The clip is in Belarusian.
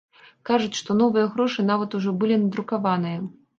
Кажуць, што новыя грошы нават ужо былі надрукаваныя.